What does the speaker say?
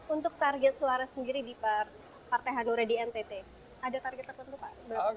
untuk target suara sendiri di partai hanura di ntt